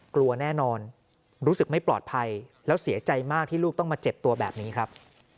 กลัวแน่นอนรู้สึกไม่ปลอดภัยแล้วเสียใจมากที่ลูกต้องมาเจ็บตัวแบบนี้ครับ